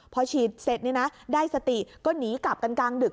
พอฉีดเสร็จนี่นะได้สติก็หนีกลับกลางดึก